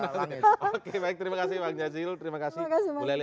oke baik terima kasih bang jazil